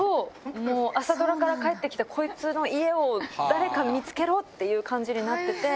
もう朝ドラから帰ってきたこいつの家を誰か見つけろっていう感じになってて。